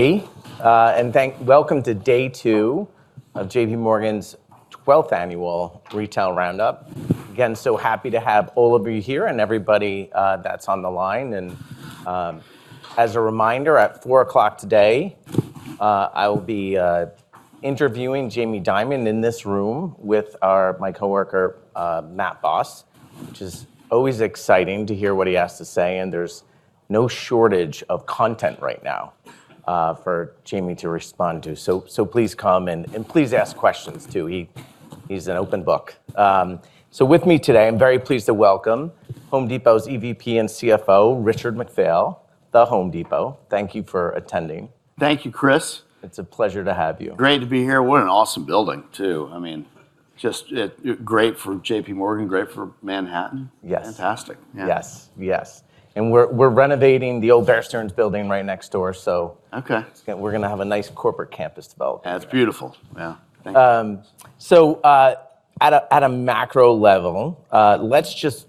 Hey, welcome to day two of JPMorgan's 12th Annual Retail Round Up Forum. Again, so happy to have all of you here and everybody that's on the line. As a reminder, at 4:00 today, I will be interviewing Jamie Dimon in this room with my coworker, Matt Boss, which is always exciting to hear what he has to say. There's no shortage of content right now for Jamie to respond to. Please come and please ask questions, too. He's an open book. With me today, I'm very pleased to welcome The Home Depot's EVP and CFO, Richard McPhail. The Home Depot. Thank you for attending. Thank you, Chris. It's a pleasure to have you. Great to be here. What an awesome building, too. Just great for JPMorgan, great for Manhattan. Yes. Fantastic. Yeah. Yes. We're renovating the old Bear Stearns building right next door, so. Okay We're going to have a nice corporate campus developed. That's beautiful. Yeah. Thank you. At a macro level, let's just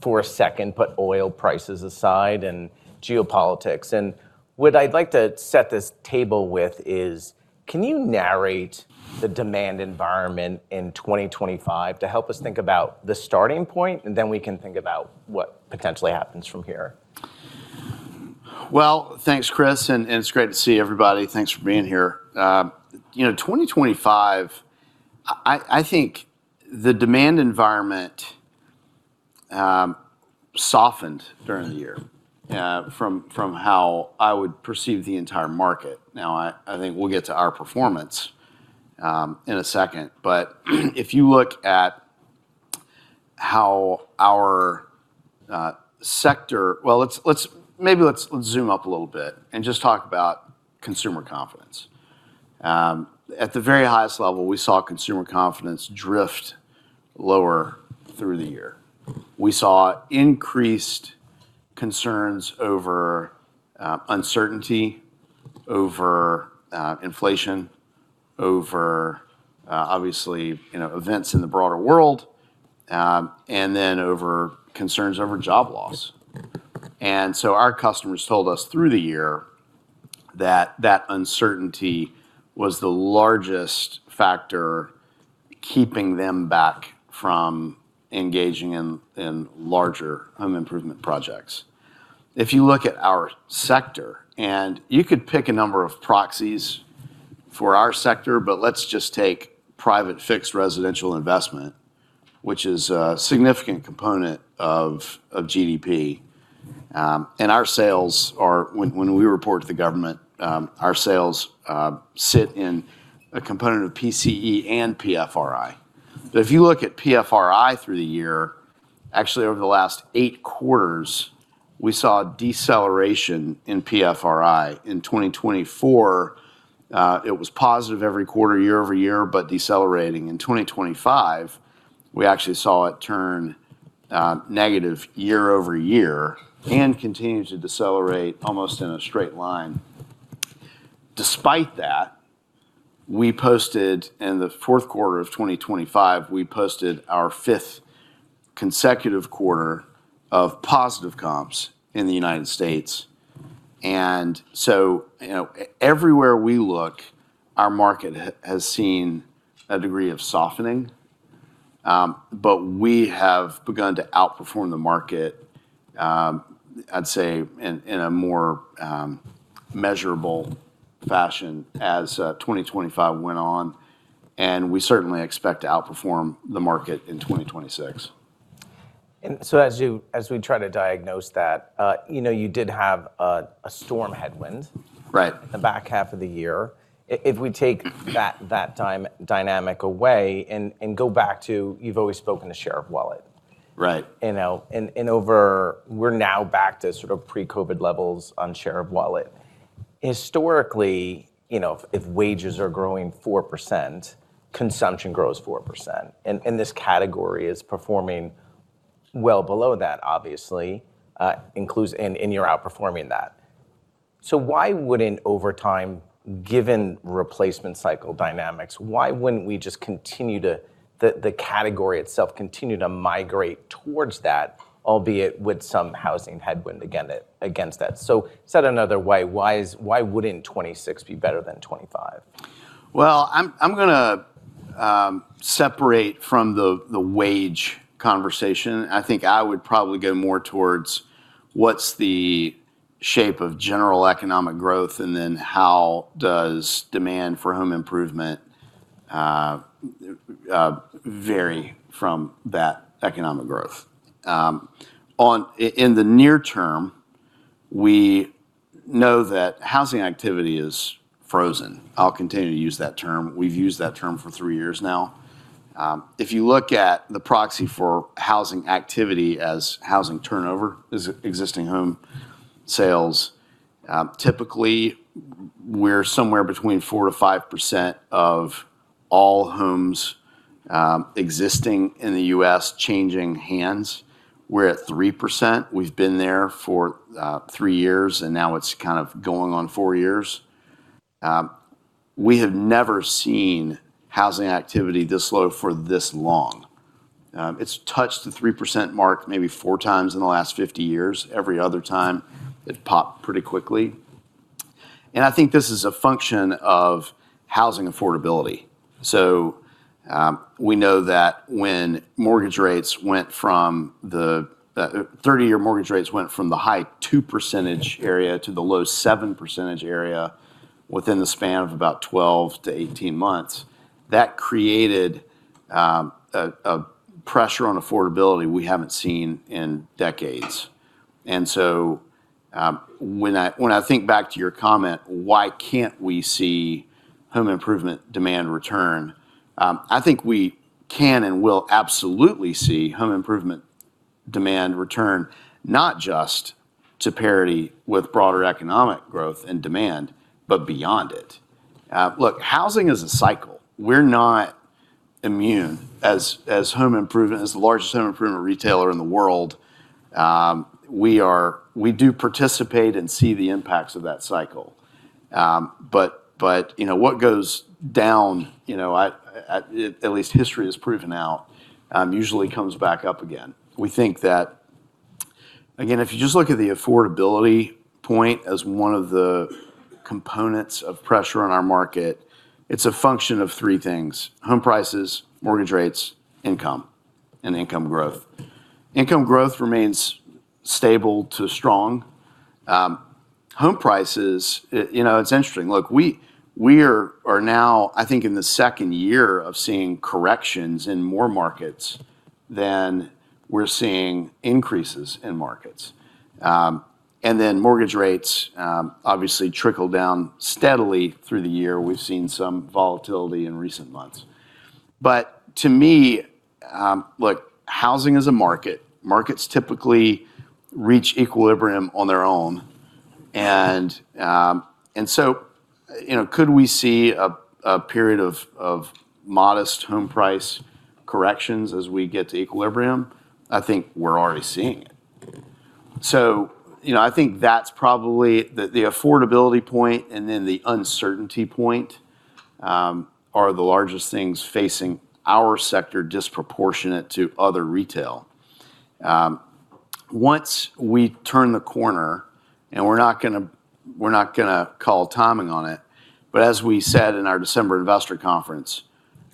for a second put oil prices aside and geopolitics. What I'd like to set this table with is, can you narrate the demand environment in 2025 to help us think about the starting point, and then we can think about what potentially happens from here? Well, thanks, Chris, and it's great to see everybody. Thanks for being here. In 2025, I think the demand environment softened during the year from how I would perceive the entire market. Now, I think we'll get to our performance in a second. If you look at how our sector, maybe let's zoom up a little bit and just talk about consumer confidence. At the very highest level, we saw consumer confidence drift lower through the year. We saw increased concerns over uncertainty, over inflation, over, obviously, events in the broader world, and then concerns over job loss. Our customers told us through the year that that uncertainty was the largest factor keeping them back from engaging in larger home improvement projects. If you look at our sector, and you could pick a number of proxies for our sector, but let's just take private residential fixed investment, which is a significant component of GDP. Our sales are, when we report to the government, our sales sit in a component of PCE and PFRI. If you look at PFRI through the year, actually over the last eight quarters, we saw a deceleration in PFRI. In 2024, it was positive every quarter, year-over-year, but decelerating. In 2025, we actually saw it turn negative year-over-year and continue to decelerate almost in a straight line. Despite that, in the fourth quarter of 2025, we posted our fifth consecutive quarter of positive comps in the United States. Everywhere we look, our market has seen a degree of softening. We have begun to outperform the market, I'd say in a more measurable fashion as 2025 went on. We certainly expect to outperform the market in 2026. As we try to diagnose that, you did have a storm headwind. Right... the back half of the year. If we take that dynamic away and go back to, you've always spoken to share of wallet. Right. We're now back to sort of pre-COVID levels on share of wallet. Historically, if wages are growing 4%, consumption grows 4%, and this category is performing well below that, obviously, and you're outperforming that. Why wouldn't, over time, given replacement cycle dynamics, why wouldn't the category itself continue to migrate towards that, albeit with some housing headwind against that? Said another way, why wouldn't 2026 be better than 2025? Well, I'm going to separate from the wage conversation. I think I would probably go more towards what's the shape of general economic growth, and then how does demand for home improvement vary from that economic growth. In the near term, we know that housing activity is frozen. I'll continue to use that term. We've used that term for three years now. If you look at the proxy for housing activity as housing turnover, existing home sales, typically we're somewhere between 4%-5% of all homes existing in the U.S. changing hands. We're at 3%. We've been there for three years, and now it's kind of going on four years. We have never seen housing activity this low for this long. It's touched the 3% mark maybe four times in the last 50 years. Every other time, it popped pretty quickly. I think this is a function of housing affordability. We know that when 30-year mortgage rates went from the high 2% area to the low 7% area within the span of about 12-18 months, that created a pressure on affordability we haven't seen in decades. When I think back to your comment, why can't we see home improvement demand return? I think we can and will absolutely see home improvement demand return, not just to parity with broader economic growth and demand, but beyond it. Look, housing is a cycle. We're not immune. As the largest home improvement retailer in the world, we do participate and see the impacts of that cycle. What goes down, at least history has proven out, usually comes back up again. We think that, again, if you just look at the affordability point as one of the components of pressure on our market, it's a function of three things, home prices, mortgage rates, income and income growth. Income growth remains stable to strong. Home prices, it's interesting. Look, we are now, I think, in the second year of seeing corrections in more markets than we're seeing increases in markets. Mortgage rates obviously trickled down steadily through the year. We've seen some volatility in recent months. To me, look, housing is a market. Markets typically reach equilibrium on their own. Could we see a period of modest home price corrections as we get to equilibrium? I think we're already seeing it. I think that's probably the affordability point and then the uncertainty point are the largest things facing our sector disproportionate to other retail. Once we turn the corner, and we're not going to call timing on it, but as we said in our December investor conference,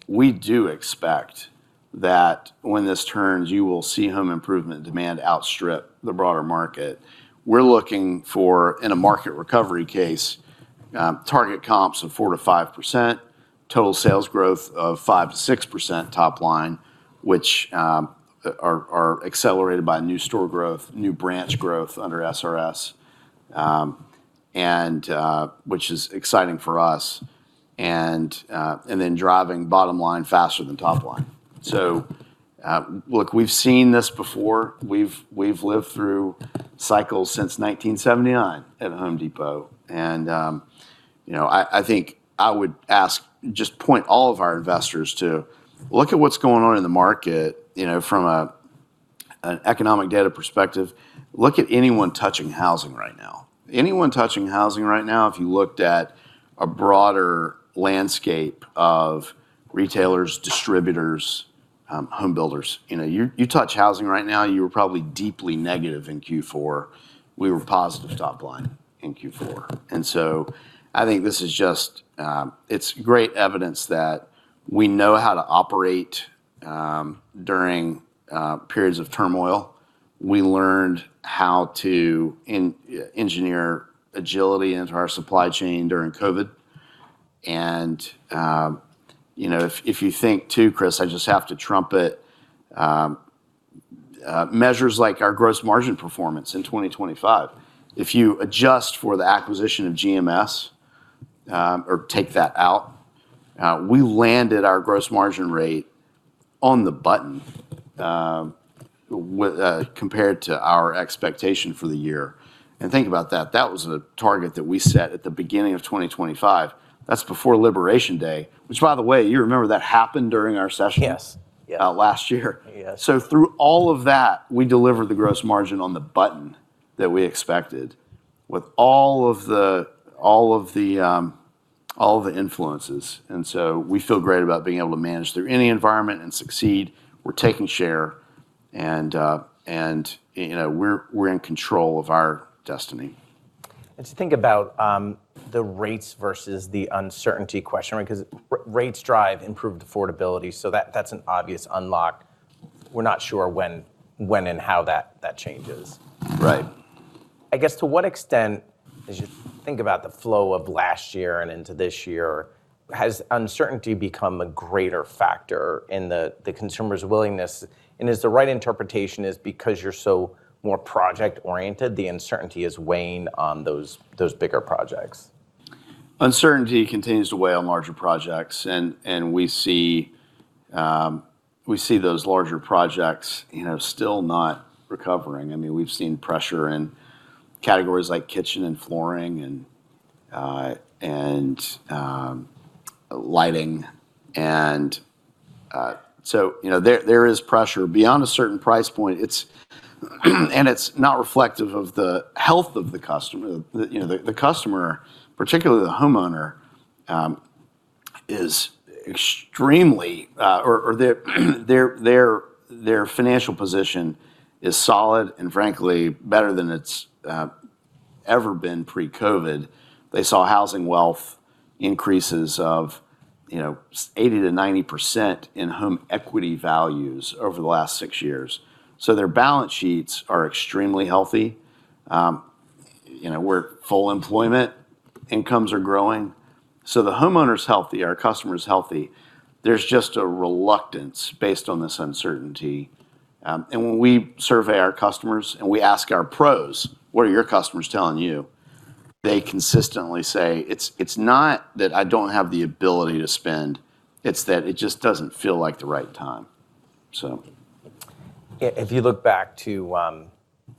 we do expect that when this turns, you will see home improvement demand outstrip the broader market. We're looking for, in a market recovery case, target comps of 4%-5%, total sales growth of 5%-6% top line, which are accelerated by new store growth, new branch growth under SRS, which is exciting for us, and then driving bottom line faster than top line. Look, we've seen this before. We've lived through cycles since 1979 at Home Depot. I think I would just point all of our investors to look at what's going on in the market, from an economic data perspective. Look at anyone touching housing right now. Anyone touching housing right now, if you looked at a broader landscape of retailers, distributors, home builders you touch housing right now, you were probably deeply negative in Q4. We were positive top line in Q4. I think this is just great evidence that we know how to operate during periods of turmoil. We learned how to engineer agility into our supply chain during COVID. If you think too, Chris, I just have to trumpet measures like our gross margin performance in 2025. If you adjust for the acquisition of GMS, or take that out, we landed our gross margin rate on the button compared to our expectation for the year. Think about that. That was a target that we set at the beginning of 2025. That's before Liberation Day, which by the way, you remember that happened during our session. Yes last year. Through all of that, we delivered the gross margin on the button that we expected with all of the influences. We feel great about being able to manage through any environment and succeed. We're taking share, and we're in control of our destiny. To think about the rates versus the uncertainty question, because rates drive improved affordability, so that's an obvious unlock. We're not sure when and how that changes. Right. I guess to what extent, as you think about the flow of last year and into this year, has uncertainty become a greater factor in the consumer's willingness? Is the right interpretation because you're so more project-oriented, the uncertainty is weighing on those bigger projects? Uncertainty continues to weigh on larger projects, and we see those larger projects still not recovering. We've seen pressure in categories like kitchen and flooring and lighting. There is pressure. Beyond a certain price point, it's not reflective of the health of the customer. The customer, particularly the homeowner, their financial position is solid and frankly better than it's ever been pre-COVID. They saw housing wealth increases of 80%-90% in home equity values over the last six years. Their balance sheets are extremely healthy. We have full employment. Incomes are growing. The homeowner's healthy, our customer's healthy. There's just a reluctance based on this uncertainty. When we survey our customers and we ask our pros, "What are your customers telling you?" They consistently say, "It's not that I don't have the ability to spend, it's that it just doesn't feel like the right time." So. If you look back during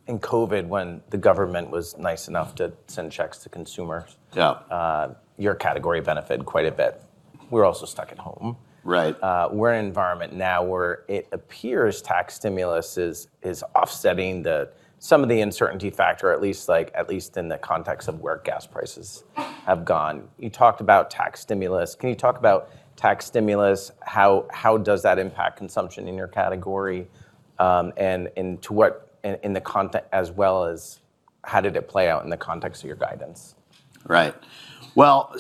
COVID when the government was nice enough to send checks to consumers. Yeah Your category benefited quite a bit. We were also stuck at home. Right. We're in an environment now where it appears tax stimulus is offsetting some of the uncertainty factor, at least in the context of where gas prices have gone. You talked about tax stimulus. Can you talk about tax stimulus, how does that impact consumption in your category? The context as well as how did it play out in the context of your guidance? Right. Well,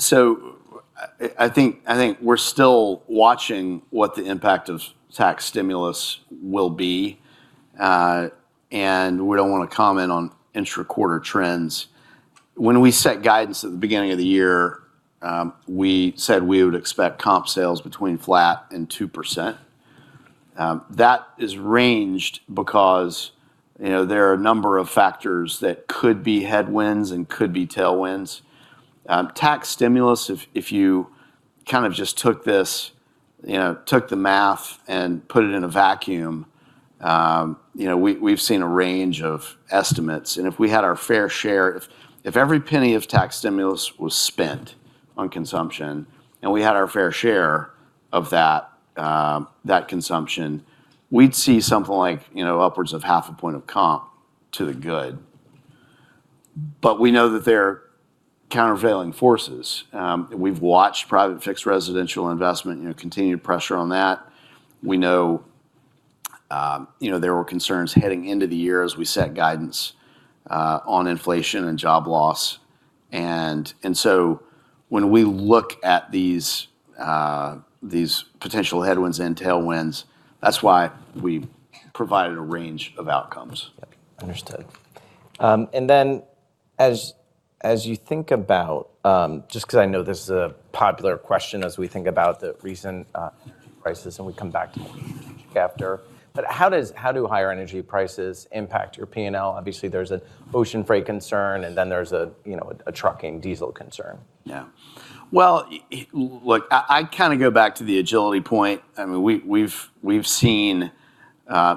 I think we're still watching what the impact of tax stimulus will be. We don't want to comment on intra-quarter trends. When we set guidance at the beginning of the year, we said we would expect comp sales between flat and 2%. That is ranged because there are a number of factors that could be headwinds and could be tailwinds. Tax stimulus, if you kind of just took the math and put it in a vacuum, we've seen a range of estimates, and if every penny of tax stimulus was spent on consumption and we had our fair share of that consumption, we'd see something like upwards of half a point of comp to the good. We know that there are countervailing forces. We've watched private residential fixed investment, continued pressure on that. We know there were concerns heading into the year as we set guidance on inflation and job loss. When we look at these potential headwinds and tailwinds, that's why we provided a range of outcomes. Understood. As you think about, just because I know this is a popular question as we think about the recent crisis, and we come back to it after. How do higher energy prices impact your P&L? Obviously, there's an ocean freight concern, and then there's a trucking diesel concern. Yeah. Well, look, I kind of go back to the agility point. We've seen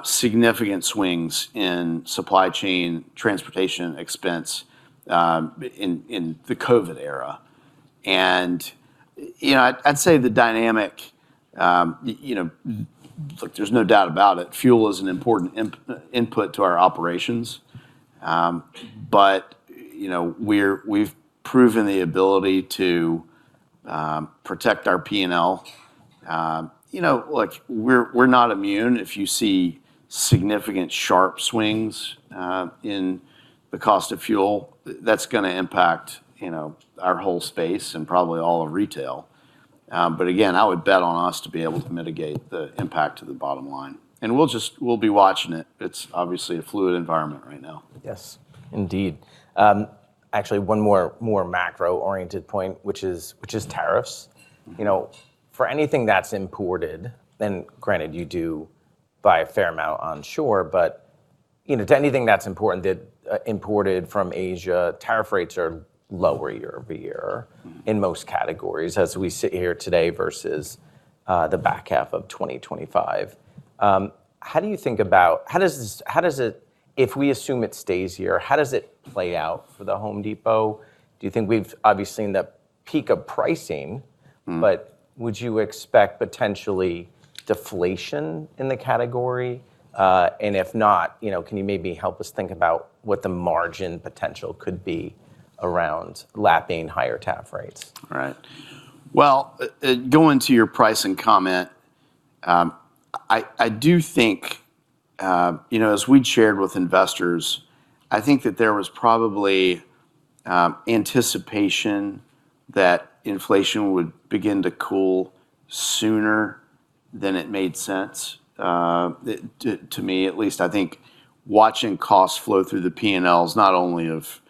significant swings in supply chain transportation expense in the COVID era. I'd say the dynamic, look, there's no doubt about it, fuel is an important input to our operations. We've proven the ability to protect our P&L. Look, we're not immune if you see significant sharp swings in the cost of fuel. That's going to impact our whole space and probably all of retail. Again, I would bet on us to be able to mitigate the impact to the bottom line. We'll be watching it. It's obviously a fluid environment right now. Yes, indeed. Actually, one more macro-oriented point, which is tariffs. For anything that's imported, and granted you do buy a fair amount onshore, but to anything that's imported from Asia, tariff rates are lower year over year in most categories as we sit here today versus the back half of 2025. If we assume it stays here, how does it play out for The Home Depot? Do you think we've obviously seen the peak of pricing, but would you expect potentially deflation in the category? And if not, can you maybe help us think about what the margin potential could be around lapping higher tariff rates? Right. Well, going to your pricing comment, as we'd shared with investors, I think that there was probably anticipation that inflation would begin to cool sooner than it made sense. To me at least, I think watching costs flow through the P&Ls, not only of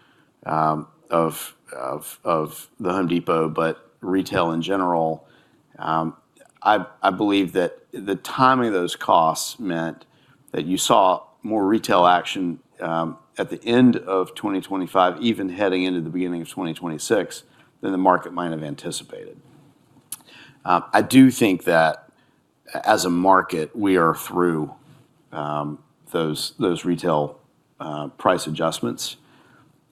The Home Depot, but retail in general, I believe that the timing of those costs meant that you saw more retail action at the end of 2025, even heading into the beginning of 2026, than the market might have anticipated. I do think that as a market, we are through those retail price adjustments.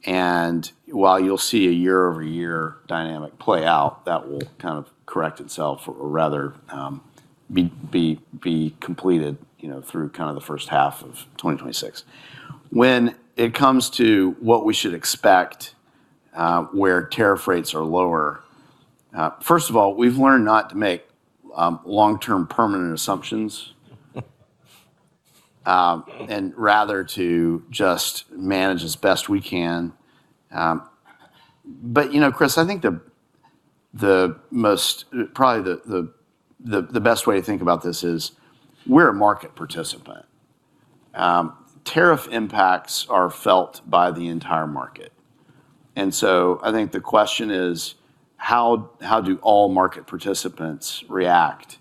While you'll see a year-over-year dynamic play out, that will kind of correct itself or rather be completed through the first half of 2026. When it comes to what we should expect where tariff rates are lower, first of all, we've learned not to make long-term permanent assumptions. Rather to just manage as best we can. Chris, I think probably the best way to think about this is we're a market participant. Tariff impacts are felt by the entire market. I think the question is how do all market participants react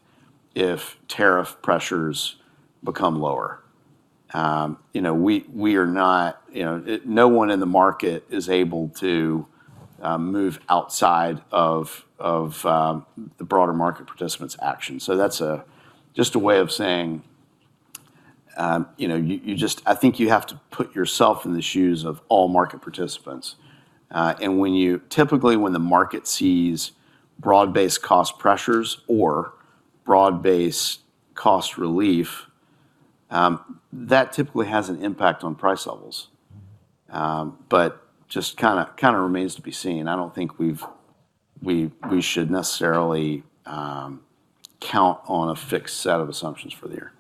if tariff pressures become lower? No one in the market is able to move outside of the broader market participants' action. That's just a way of saying, I think you have to put yourself in the shoes of all market participants. Typically, when the market sees broad-based cost pressures or broad-based cost relief, that typically has an impact on price levels. Just kind of remains to be seen. I don't think we should necessarily count on a fixed set of assumptions for the year.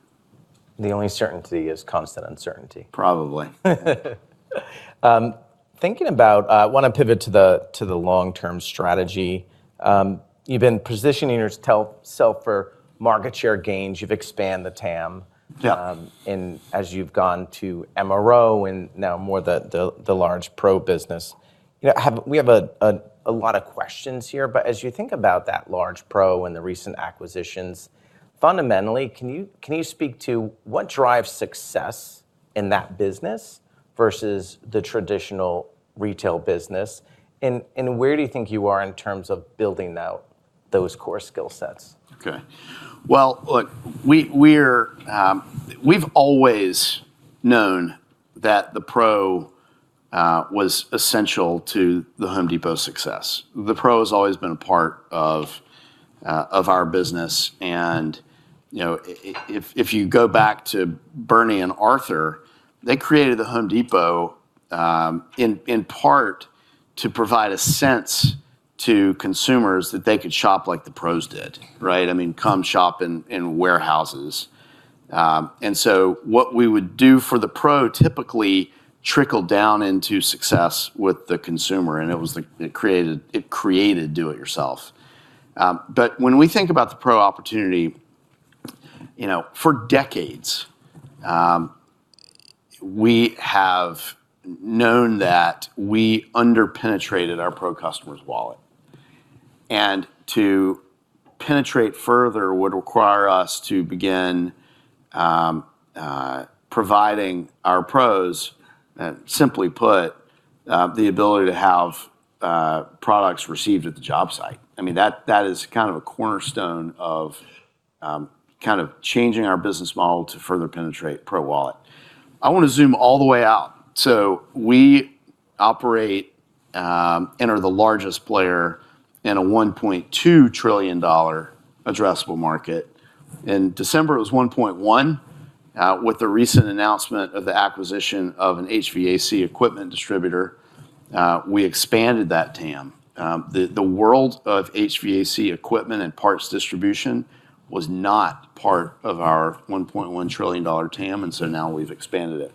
The only certainty is constant uncertainty. Probably. I want to pivot to the long-term strategy. You've been positioning yourself for market share gains. You've expanded the TAM- Yeah As you've gone to MRO and now more to the large Pro business. We have a lot of questions here, but as you think about that large Pro and the recent acquisitions, fundamentally, can you speak to what drives success in that business versus the traditional retail business? Where do you think you are in terms of building out those core skill sets? Okay. Well, look, we've always known that the pro was essential to The Home Depot's success. The pro has always been a part of our business and if you go back to Bernie and Arthur, they created The Home Depot, in part, to provide a sense to consumers that they could shop like the pros did, right? I mean, come shop in warehouses. What we would do for the pro typically trickled down into success with the consumer, and it created do it yourself. When we think about the pro opportunity, for decades, we have known that we under-penetrated our pro customer's wallet. To penetrate further would require us to begin providing our pros, simply put, the ability to have products received at the job site. That is a cornerstone of changing our business model to further penetrate pro wallet. I want to zoom all the way out. We operate and are the largest player in a $1.2 trillion addressable market. In December it was $1.1 trillion. With the recent announcement of the acquisition of an HVAC equipment distributor, we expanded that TAM. The world of HVAC equipment and parts distribution was not part of our $1.1 trillion TAM, and so now we've expanded it.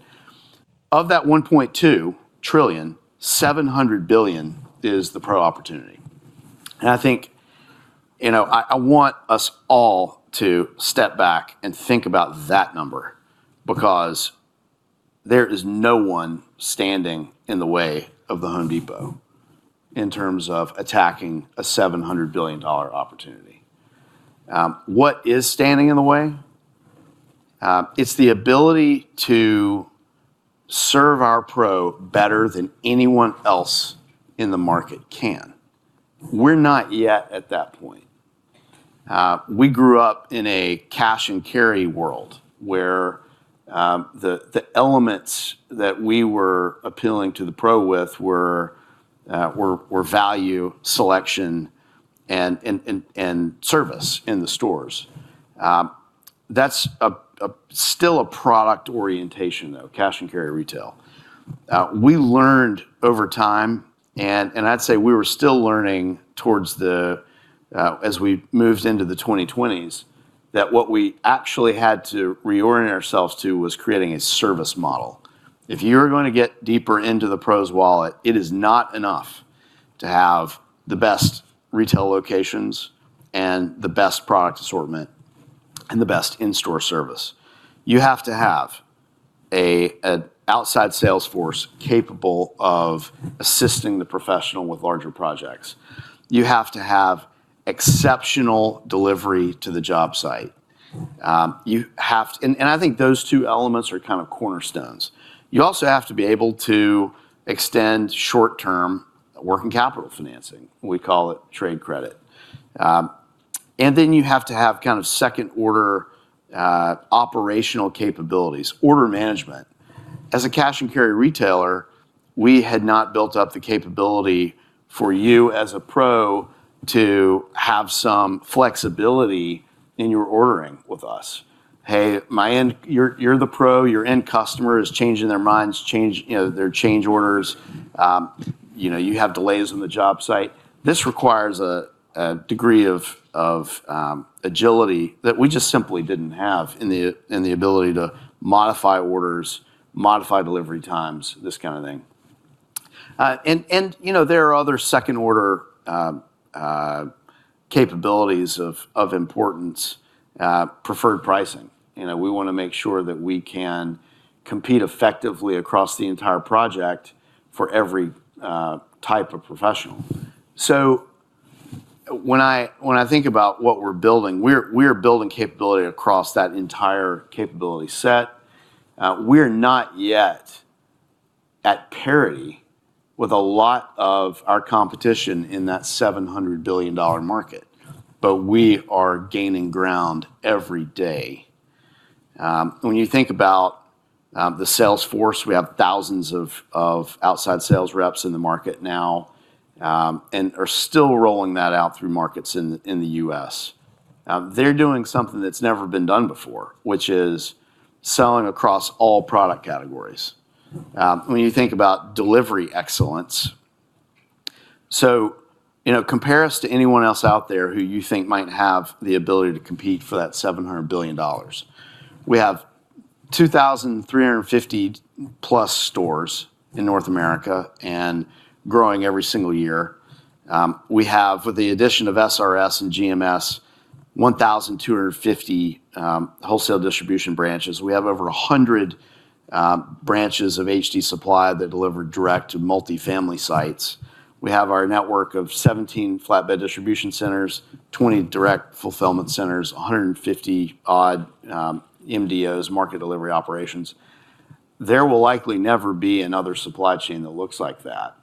Of that $1.2 trillion, $700 billion is the pro opportunity. I think, I want us all to step back and think about that number because there is no one standing in the way of The Home Depot in terms of attacking a $700 billion opportunity. What is standing in the way? It's the ability to serve our pro better than anyone else in the market can. We're not yet at that point. We grew up in a cash and carry world where the elements that we were appealing to the pro with were value, selection and service in the stores. That's still a product orientation, though, cash and carry retail. We learned over time, and I'd say we were still learning as we moved into the 2020s, that what we actually had to reorient ourselves to was creating a service model. If you're going to get deeper into the pro's wallet, it is not enough to have the best retail locations and the best product assortment and the best in-store service. You have to have an outside sales force capable of assisting the professional with larger projects. You have to have exceptional delivery to the job site. I think those two elements are kind of cornerstones. You also have to be able to extend short-term working capital financing. We call it trade credit. Then you have to have second-order operational capabilities, order management. As a cash-and-carry retailer, we had not built up the capability for you as a pro to have some flexibility in your ordering with us. Hey, you're the pro, your end customer is changing their minds, their change orders. You have delays on the job site. This requires a degree of agility that we just simply didn't have in the ability to modify orders, modify delivery times, this kind of thing. There are other second-order capabilities of importance, preferred pricing. We want to make sure that we can compete effectively across the entire project for every type of professional. When I think about what we're building, we're building capability across that entire capability set. We're not yet at parity with a lot of our competition in that $700 billion market, but we are gaining ground every day. When you think about the sales force, we have thousands of outside sales reps in the market now and are still rolling that out through markets in the U.S. They're doing something that's never been done before, which is selling across all product categories. When you think about delivery excellence, so compare us to anyone else out there who you think might have the ability to compete for that $700 billion. We have 2,350+ stores in North America and growing every single year. We have, with the addition of SRS and GMS, 1,250 wholesale distribution branches. We have over 100 branches of HD Supply that deliver direct to multi-family sites. We have our network of 17 flatbed distribution centers, 20 direct fulfillment centers, 150-odd MDOs, market delivery operations. There will likely never be another supply chain that looks like that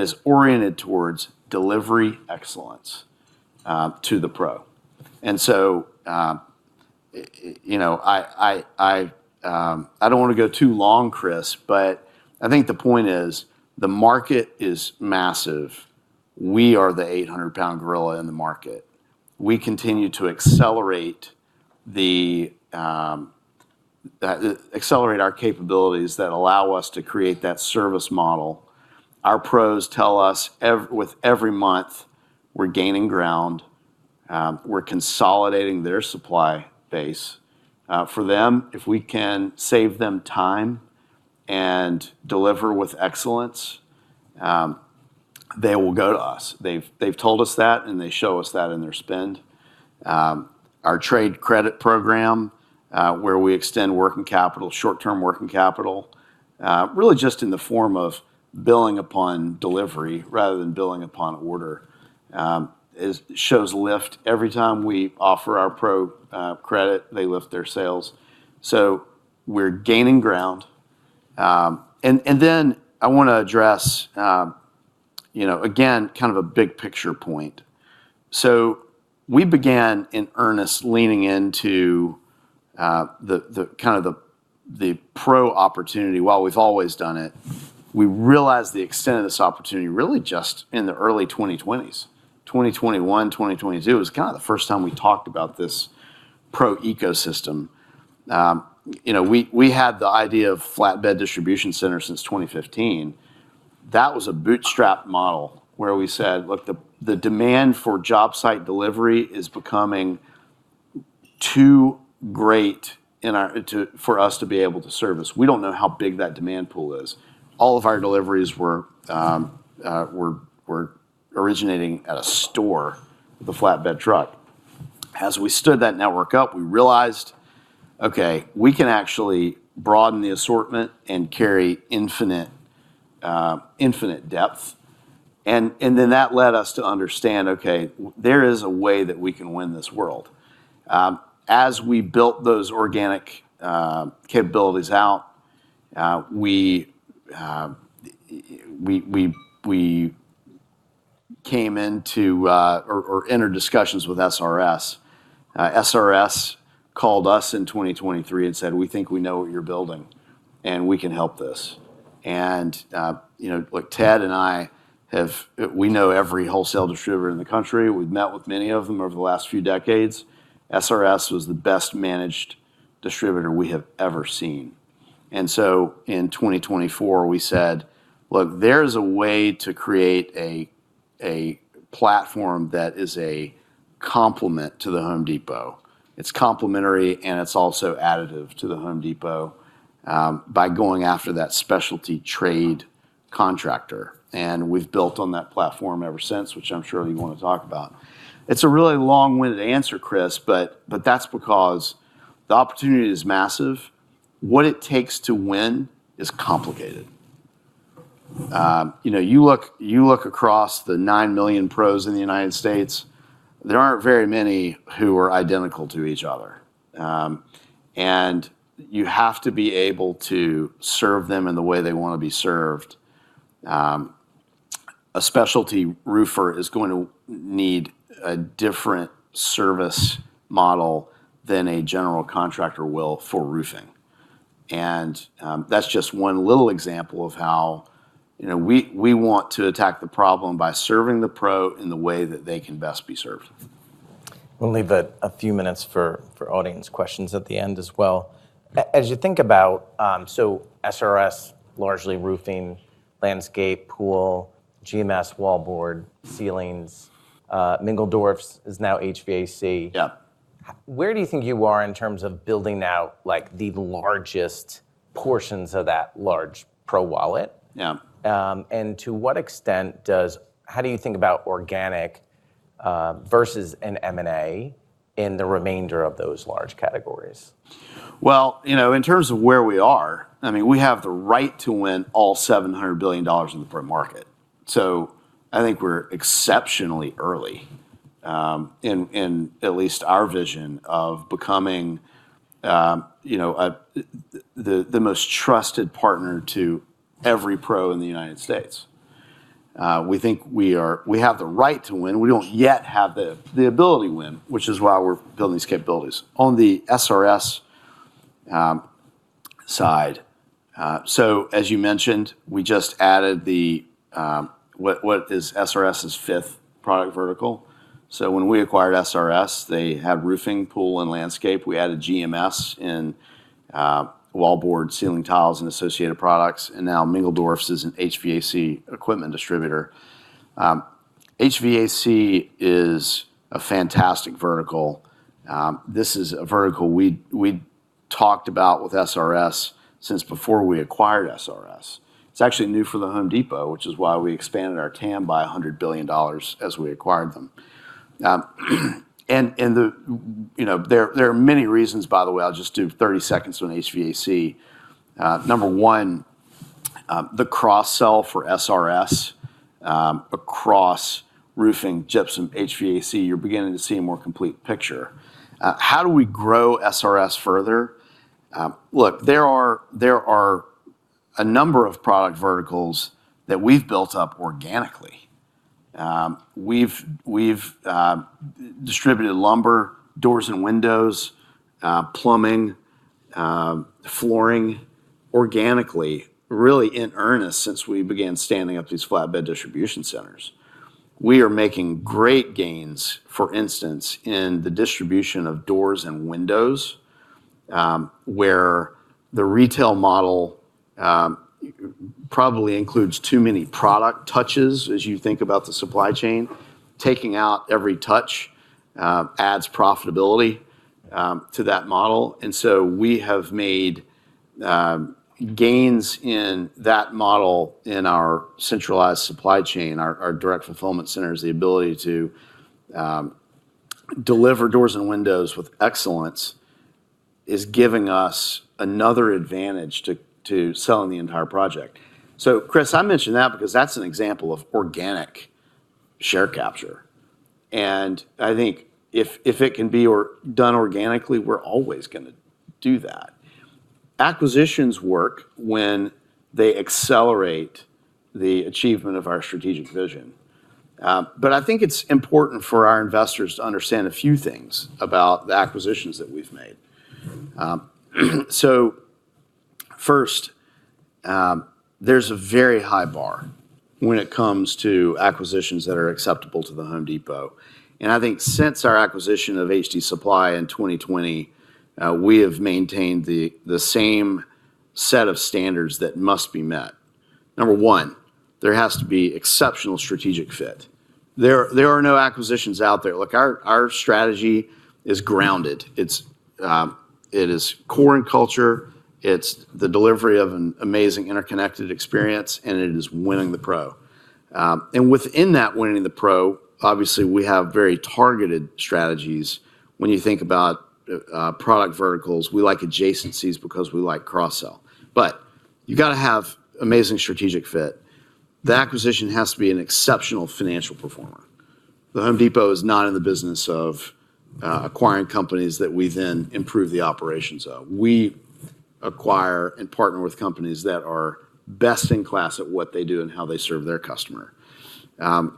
is oriented towards delivery excellence to the Pro. I don't want to go too long, Chris, but I think the point is the market is massive. We are the 800-pound gorilla in the market. We continue to accelerate our capabilities that allow us to create that service model. Our Pros tell us with every month, we're gaining ground, we're consolidating their supply base. For them, if we can save them time and deliver with excellence, they will go to us. They've told us that, and they show us that in their spend. Our trade credit program, where we extend short-term working capital, really just in the form of billing upon delivery rather than billing upon order, shows lift. Every time we offer our Pro credit, they lift their sales. We're gaining ground. I want to address, again, kind of a big picture point. We began in earnest leaning into the Pro opportunity. While we've always done it, we realized the extent of this opportunity really just in the early 2020s. 2021, 2022 was kind of the first time we talked about this Pro ecosystem. We had the idea of flatbed distribution centers since 2015. That was a bootstrap model where we said, look, the demand for job site delivery is becoming too great for us to be able to service. We don't know how big that demand pool is. All of our deliveries were originating at a store with a flatbed truck. As we stood that network up, we realized, okay, we can actually broaden the assortment and carry infinite depth. That led us to understand, okay, there is a way that we can win this world. As we built those organic capabilities out, we entered discussions with SRS. SRS called us in 2023 and said, "We think we know what you're building, and we can help this." Look, Ted and I, we know every wholesale distributor in the country. We've met with many of them over the last few decades. SRS was the best-managed distributor we have ever seen. In 2024, we said, look, there's a way to create a platform that is a complement to The Home Depot. It's complementary, and it's also additive to The Home Depot, by going after that specialty trade contractor. We've built on that platform ever since, which I'm sure you want to talk about. It's a really long-winded answer, Chris, but that's because the opportunity is massive. What it takes to win is complicated. You look across the 9 million pros in the United States, there aren't very many who are identical to each other. You have to be able to serve them in the way they want to be served. A specialty roofer is going to need a different service model than a general contractor will for roofing. That's just one little example of how we want to attack the problem by serving the pro in the way that they can best be served. We'll leave a few minutes for audience questions at the end as well. SRS, largely roofing, landscape, pool, GMS, wallboard, ceilings. Mingledorff's is now HVAC. Yeah. Where do you think you are in terms of building out the largest portions of that large pro wallet? Yeah. How do you think about organic, versus an M&A in the remainder of those large categories? Well, in terms of where we are, we have the right to win all $700 billion in the Pro market. I think we're exceptionally early, in at least our vision of becoming the most trusted partner to every Pro in the United States. We think we have the right to win. We don't yet have the ability to win, which is why we're building these capabilities. On the SRS side, so as you mentioned, we just added what is SRS's fifth product vertical. When we acquired SRS, they had roofing, pool, and landscape. We added GMS and wallboard, ceiling tiles, and associated products, and now Mingledorff's is an HVAC equipment distributor. HVAC is a fantastic vertical. This is a vertical we talked about with SRS since before we acquired SRS. It's actually new for The Home Depot, which is why we expanded our TAM by $100 billion as we acquired them. There are many reasons, by the way, I'll just do 30 seconds on HVAC. Number one, the cross-sell for SRS, across roofing, gypsum, HVAC, you're beginning to see a more complete picture. How do we grow SRS further? Look, there are a number of product verticals that we've built up organically. We've distributed lumber, doors and windows, plumbing, flooring organically, really in earnest since we began standing up these flatbed distribution centers. We are making great gains, for instance, in the distribution of doors and windows, where the retail model probably includes too many product touches as you think about the supply chain. Taking out every touch adds profitability to that model, and so we have made gains in that model in our centralized supply chain, our direct fulfillment centers. The ability to deliver doors and windows with excellence is giving us another advantage to selling the entire project. Chris, I mention that because that's an example of organic share capture. I think if it can be done organically, we're always going to do that. Acquisitions work when they accelerate the achievement of our strategic vision. I think it's important for our investors to understand a few things about the acquisitions that we've made. First, there's a very high bar when it comes to acquisitions that are acceptable to The Home Depot. I think since our acquisition of HD Supply in 2020, we have maintained the same set of standards that must be met. Number one, there has to be exceptional strategic fit. There are no acquisitions out there. Look, our strategy is grounded. It is core in culture. It's the delivery of an amazing interconnected experience, and it is winning the Pro. Within that winning the Pro, obviously, we have very targeted strategies. When you think about product verticals, we like adjacencies because we like cross-sell. You got to have amazing strategic fit. The acquisition has to be an exceptional financial performer. The Home Depot is not in the business of acquiring companies that we then improve the operations of. We acquire and partner with companies that are best in class at what they do and how they serve their customer. Then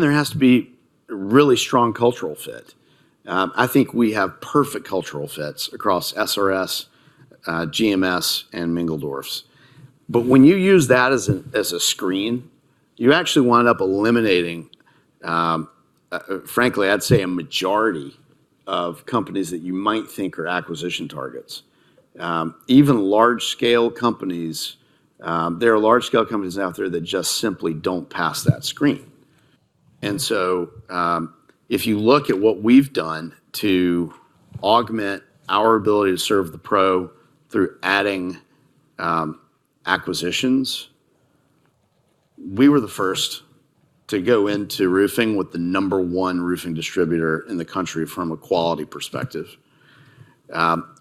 there has to be really strong cultural fit. I think we have perfect cultural fits across SRS, GMS, and Mingledorff's. When you use that as a screen, you actually wind up eliminating, frankly, I'd say a majority of companies that you might think are acquisition targets. Even large-scale companies, there are large-scale companies out there that just simply don't pass that screen. If you look at what we've done to augment our ability to serve the Pro through adding acquisitions, we were the first to go into roofing with the number one roofing distributor in the country from a quality perspective.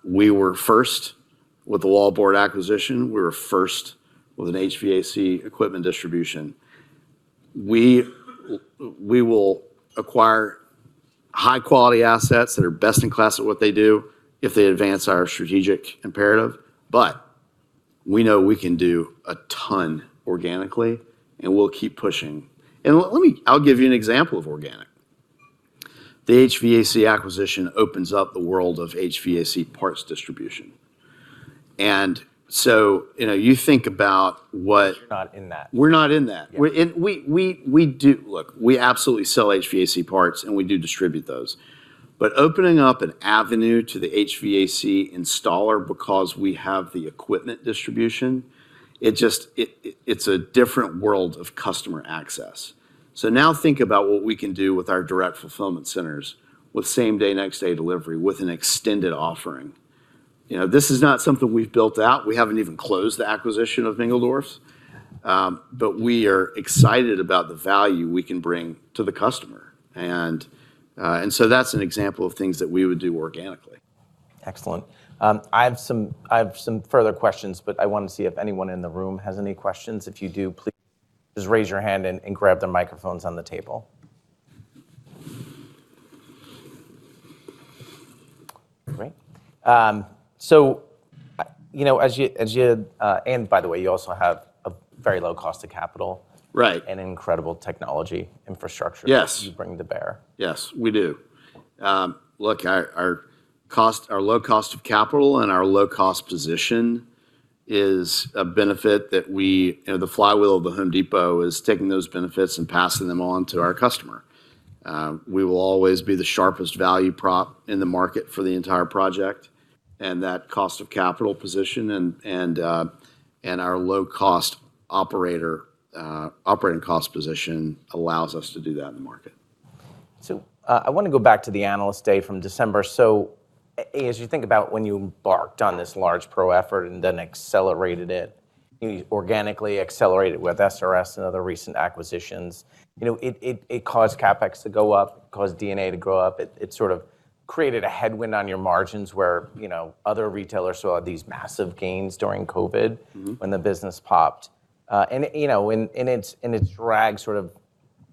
We were first with the wallboard acquisition. We were first with an HVAC equipment distribution. We will acquire high-quality assets that are best in class at what they do if they advance our strategic imperative. We know we can do a ton organically, and we'll keep pushing. I'll give you an example of organic. The HVAC acquisition opens up the world of HVAC parts distribution. You think about what You're not in that. We're not in that. Yeah. Look, we absolutely sell HVAC parts, and we do distribute those. Opening up an avenue to the HVAC installer because we have the equipment distribution, it's a different world of customer access. Now think about what we can do with our direct fulfillment centers with same-day, next-day delivery, with an extended offering. This is not something we've built out. We haven't even closed the acquisition of Mingledorff's. Yeah. We are excited about the value we can bring to the customer. That's an example of things that we would do organically. Excellent. I have some further questions, but I want to see if anyone in the room has any questions. If you do, please just raise your hand and grab the microphones on the table. Great. By the way, you also have a very low cost of capital. Right incredible technology infrastructure. Yes you bring to bear. Yes, we do. Look, our low cost of capital and our low cost position is a benefit that the flywheel of The Home Depot is taking those benefits and passing them on to our customer. We will always be the sharpest value prop in the market for the entire project, and that cost of capital position and our low operating cost position allows us to do that in the market. I want to go back to the Analyst Day from December. As you think about when you embarked on this large Pro effort and then accelerated it, you organically accelerated with SRS and other recent acquisitions. It caused CapEx to go up, caused D&A to go up. It sort of created a headwind on your margins where other retailers saw these massive gains during COVID- Mm-hmm... when the business popped. It's dragged sort of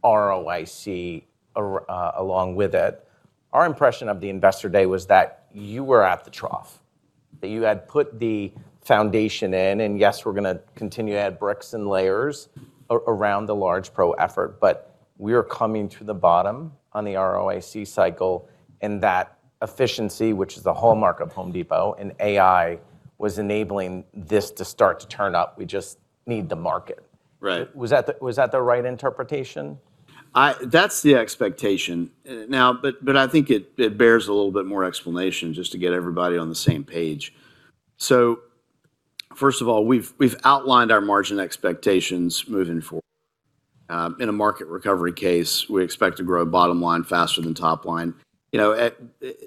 ROIC along with it. Our impression of the Investor Day was that you were at the trough, that you had put the foundation in, and yes, we're going to continue to add bricks and layers around the large Pro effort. We are coming to the bottom on the ROIC cycle, and that efficiency, which is the hallmark of Home Depot, and AI, was enabling this to start to turn up. We just need the market. Right. Was that the right interpretation? That's the expectation. I think it bears a little bit more explanation, just to get everybody on the same page. First of all, we've outlined our margin expectations moving forward. In a market recovery case, we expect to grow bottom line faster than top line. At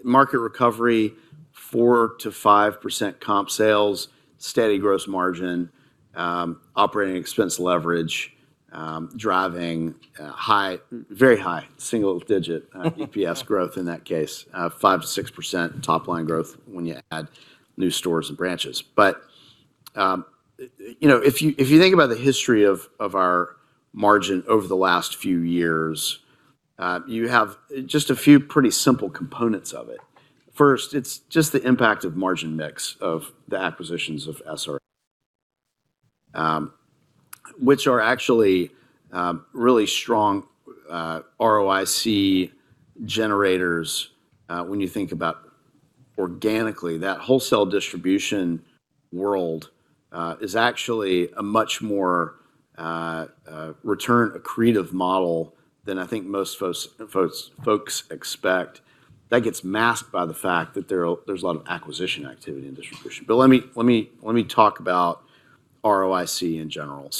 market recovery, 4%-5% comp sales, steady gross margin, operating expense leverage, driving very high single-digit EPS growth in that case, 5%-6% top line growth when you add new stores and branches. If you think about the history of our margin over the last few years, you have just a few pretty simple components of it. First, it's just the impact of margin mix of the acquisitions of SRS, which are actually really strong ROIC generators. When you think about organically, that wholesale distribution world is actually a much more return accretive model than I think most folks expect. That gets masked by the fact that there's a lot of acquisition activity in distribution. Let me talk about ROIC in general.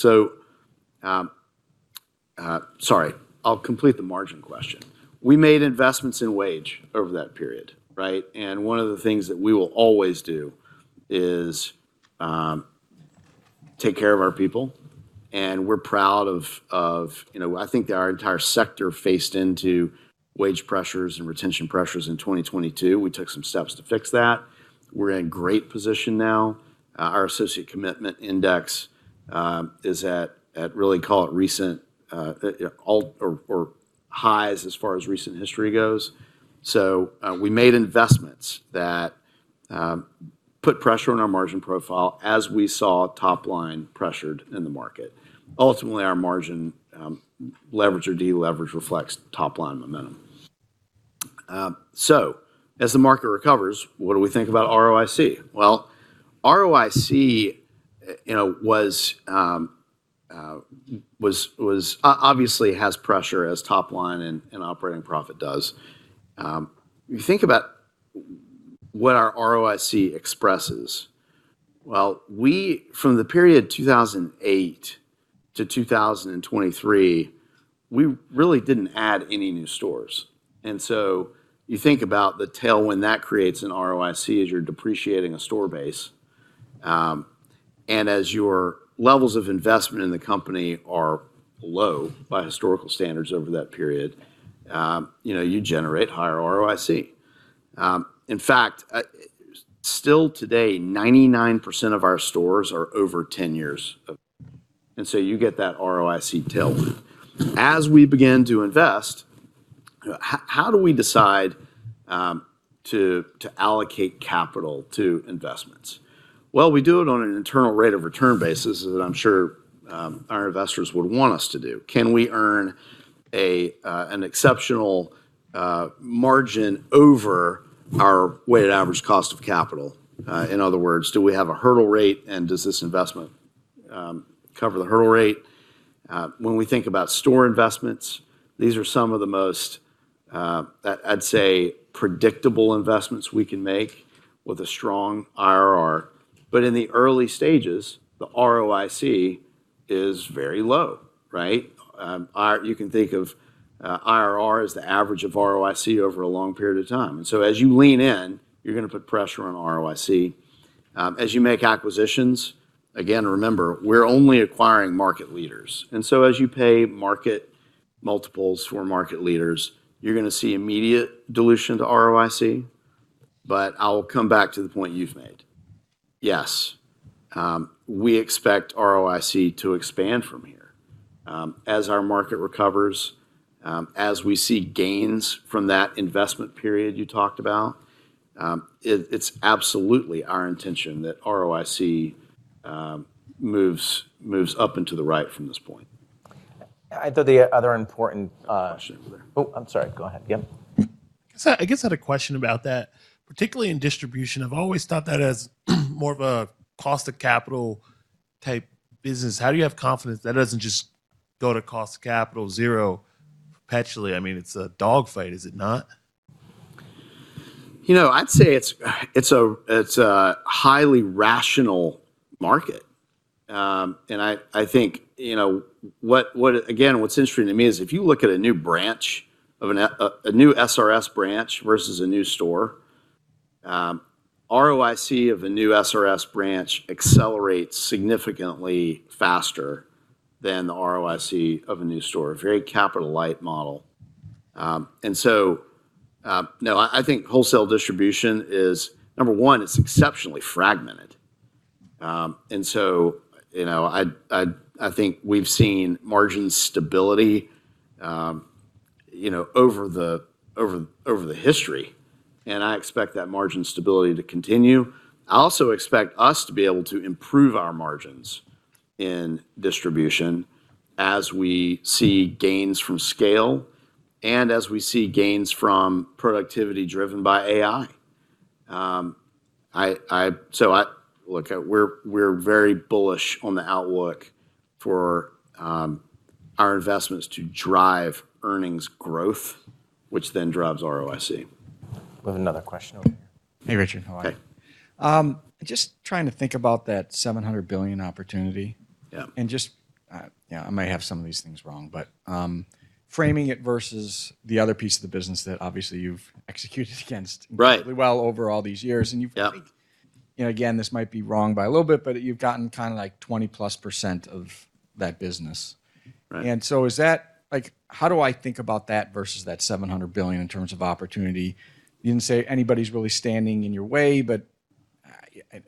Sorry, I'll complete the margin question. We made investments in wages over that period, right? One of the things that we will always do is take care of our people, and we're proud of. I think our entire sector faced into wage pressures and retention pressures in 2022. We took some steps to fix that. We're in a great position now. Our Associate Commitment Index is at recent highs as far as recent history goes. We made investments that put pressure on our margin profile as we saw top line pressured in the market. Ultimately, our margin leverage or deleverage reflects top-line momentum. As the market recovers, what do we think about ROIC? Well, ROIC obviously has pressure as top line and operating profit does. You think about what our ROIC expresses. Well, from the period 2008 to 2023, we really didn't add any new stores. You think about the tailwind that creates in ROIC as you're depreciating a store base. As your levels of investment in the company are low by historical standards over that period, you generate higher ROIC. In fact, still today, 99% of our stores are over 10 years old, and so you get that ROIC tailwind. As we begin to invest, how do we decide to allocate capital to investments? Well, we do it on an internal rate of return basis, as I'm sure our investors would want us to do. Can we earn an exceptional margin over our weighted average cost of capital? In other words, do we have a hurdle rate, and does this investment cover the hurdle rate? When we think about store investments, these are some of the most, I'd say, predictable investments we can make with a strong IRR. In the early stages, the ROIC is very low, right? You can think of IRR as the average of ROIC over a long period of time. As you lean in, you're going to put pressure on ROIC. As you make acquisitions, again, remember, we're only acquiring market leaders. As you pay market multiples for market leaders, you're going to see immediate dilution to ROIC. I'll come back to the point you've made. Yes. We expect ROIC to expand from here. As our market recovers, as we see gains from that investment period you talked about, it's absolutely our intention that ROIC moves up and to the right from this point. I thought the other important. Question over there. Oh, I'm sorry. Go ahead. Yeah. I guess I had a question about that. Particularly in distribution, I've always thought that as more of a cost of capital type business. How do you have confidence that it doesn't just go to cost of capital zero perpetually? I mean, it's a dog fight, is it not? I'd say it's a highly rational market. I think, again, what's interesting to me is if you look at a new branch, a new SRS branch versus a new store, ROIC of a new SRS branch accelerates significantly faster than the ROIC of a new store, a very capital-light model. No, I think wholesale distribution is, number one, it's exceptionally fragmented. I think we've seen margin stability over the history, and I expect that margin stability to continue. I also expect us to be able to improve our margins in distribution as we see gains from scale and as we see gains from productivity driven by AI. Look, we're very bullish on the outlook for our investments to drive earnings growth, which then drives ROIC. We have another question over here. Hey, Richard. How are you? Hey. Just trying to think about that $700 billion opportunity. Yeah. I might have some of these things wrong, but framing it versus the other piece of the business that obviously you've executed against. Right incredibly well over all these years, and you've Yeah... again, this might be wrong by a little bit, but you've gotten kind of like 20+% of that business. Right. How do I think about that versus that $700 billion in terms of opportunity? You didn't say anybody's really standing in your way, but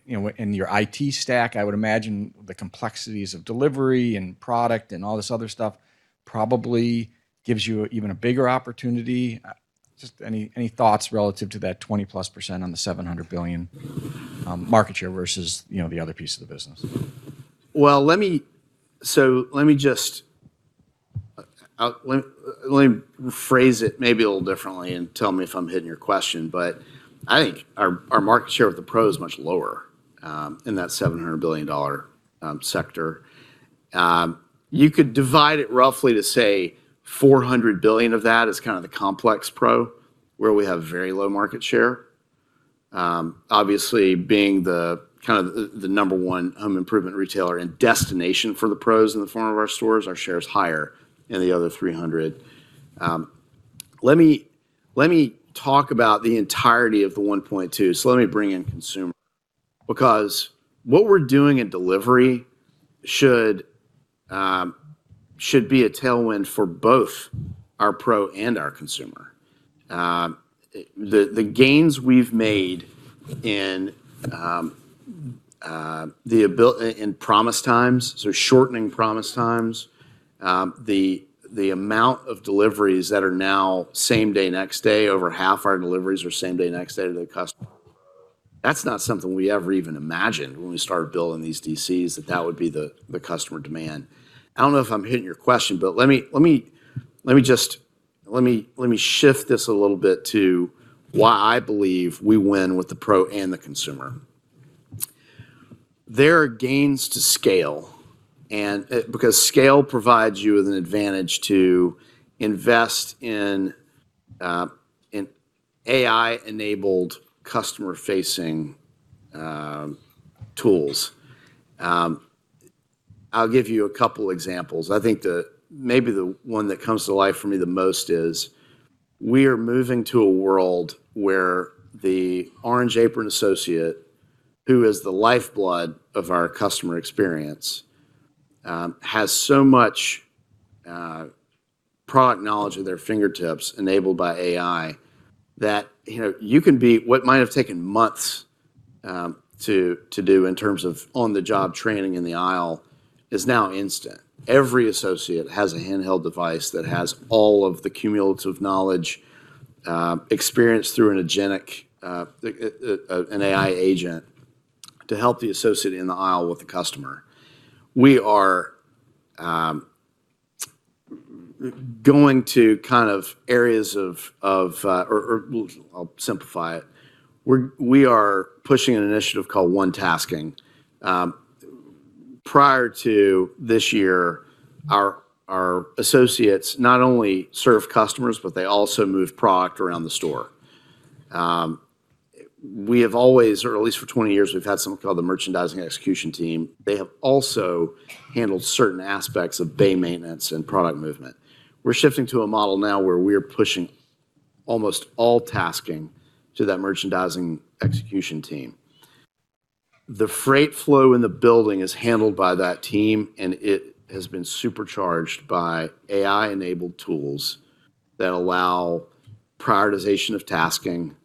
in your IT stack, I would imagine the complexities of delivery and product and all this other stuff probably gives you even a bigger opportunity. Just any thoughts relative to that 20%+ on the $700 billion market share versus the other piece of the business? Let me rephrase it maybe a little differently, and tell me if I'm hitting your question, but I think our market share of the pro is much lower in that $700 billion sector. You could divide it roughly to say $400 billion of that is kind of the complex pro, where we have very low market share. Obviously, being the number one home improvement retailer and destination for the pros in the front of our stores, our share is higher in the other $300 billion. Let me talk about the entirety of the $1.2 trillion. Let me bring in consumer, because what we're doing in delivery should be a tailwind for both our pro and our consumer. The gains we've made in promise times, so shortening promise times, the amount of deliveries that are now same day, next day, over half our deliveries are same day, next day to the customer. That's not something we ever even imagined when we started building these DCs that would be the customer demand. I don't know if I'm hitting your question, but let me shift this a little bit to why I believe we win with the pro and the consumer. There are gains to scale, because scale provides you with an advantage to invest in AI-enabled customer-facing tools. I'll give you a couple examples. I think maybe the one that comes to life for me the most is we are moving to a world where the Orange Apron associate, who is the lifeblood of our customer experience has so much product knowledge at their fingertips enabled by AI that what might have taken months to do in terms of on-the-job training in the aisle is now instant. Every associate has a handheld device that has all of the cumulative knowledge, experience through an AI agent, to help the associate in the aisle with the customer. We are pushing an initiative called One Tasking. Prior to this year, our associates not only serve customers, but they also move product around the store. We have always, or at least for 20 years, we've had something called the Merchandising Execution Team. They have also handled certain aspects of bay maintenance and product movement. We're shifting to a model now where we are pushing almost all tasking to that Merchandising Execution Team. The freight flow in the building is handled by that team, and it has been supercharged by AI-enabled tools that allow prioritization of tasking,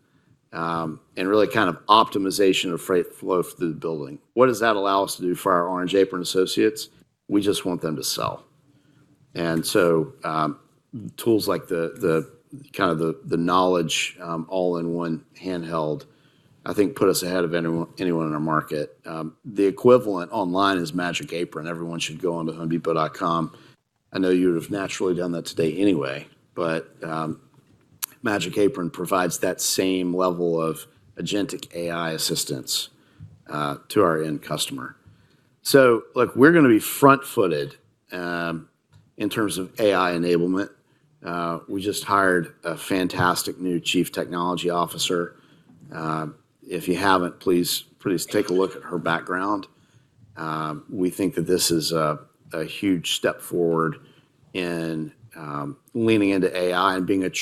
and really kind of optimization of freight flow through the building. What does that allow us to do for our Orange Apron associates? We just want them to sell. Tools like the knowledge all-in-one handheld, I think, put us ahead of anyone in our market. The equivalent online is Magic Apron. Everyone should go onto homedepot.com. I know you would've naturally done that today anyway, but Magic Apron provides that same level of agentic AI assistance to our end customer. Look, we're going to be front-footed in terms of AI enablement. We just hired a fantastic new Chief Technology Officer. If you haven't, please take a look at her background. We think that this is a huge step forward in leaning into AI and being a true